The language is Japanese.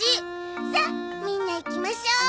さあみんな行きましょう。